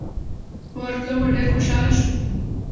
په ورتلو مو ډېر خوشاله شو.